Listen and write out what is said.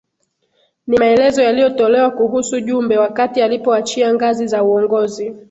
Ni maelezo yaliyotolewa kuhusu Jumbe wakati alipoachia ngazi za uongozi